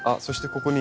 ここに。